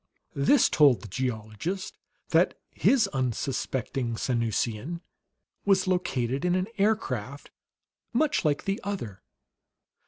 This told the geologist that his unsuspecting Sanusian was located in an aircraft much like the other.